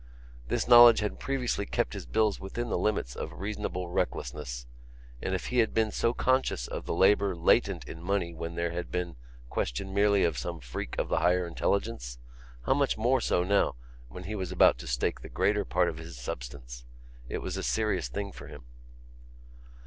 This knowledge had previously kept his bills within the limits of reasonable recklessness and, if he had been so conscious of the labour latent in money when there had been question merely of some freak of the higher intelligence, how much more so now when he was about to stake the greater part of his substance! It was a serious thing for him.